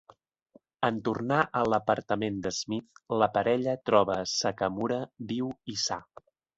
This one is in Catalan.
En tornar a l'apartament d'Smith, la parella troba Sakamura viu i sa.